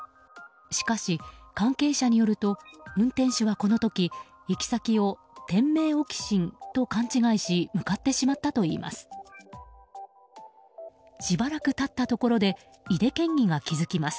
しかし、関係者によると運転手はこの時行き先を天明沖新と勘違いし向かってしまったといいます。